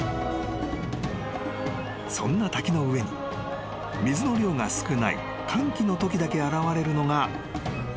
［そんな滝の上に水の量が少ない乾期のときだけ現れるのが］